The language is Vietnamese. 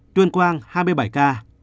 tuyên quang hai mươi bảy ca